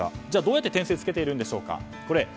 じゃあ、どうやって点数を付けているんでしょうか。